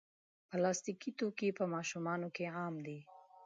پلاستيکي توکي په ماشومانو کې عام دي.